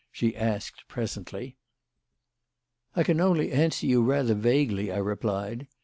she asked presently. "I can only answer you rather vaguely," I replied.